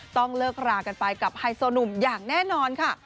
ต้องเลิกรากันไปกับไฮโซหนุ่มอย่างแน่นอนค่ะ